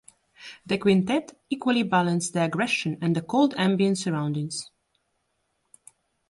The quintet equally balance the aggression and the cold ambient surroundings.